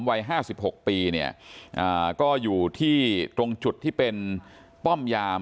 วัย๕๖ปีเนี่ยก็อยู่ที่ตรงจุดที่เป็นป้อมยาม